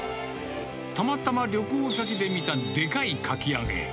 たまたま旅行先で見たでかいかき揚げ。